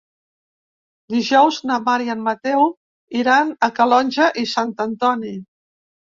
Dijous na Mar i en Mateu iran a Calonge i Sant Antoni.